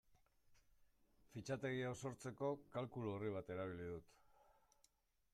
Fitxategi hau sortzeko kalkulu-orri bat erabili dut.